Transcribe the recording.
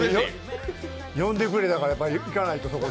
呼んでくれたから行かないと。